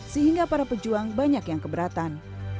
sehingga para pejuang banyak yang keberatan